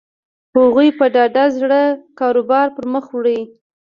هغوی په ډاډه زړه کاروبار پر مخ وړي.